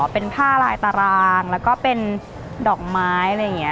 เป็นผ้าลายตารางแล้วก็เป็นดอกไม้อะไรอย่างนี้